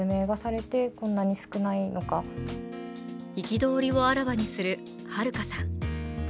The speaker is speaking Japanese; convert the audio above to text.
憤りをあらわにするはるかさん。